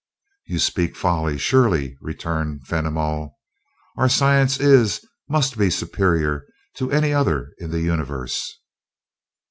"You speak folly, surely," returned Fenimol. "Our science is must be superior to any other in the Universe?"